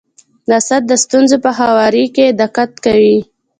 اسد د ستونزو په هواري کي دقت کوي.